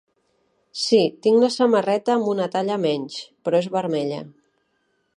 Sí, tinc la samarreta amb una talla menys, però és vermella.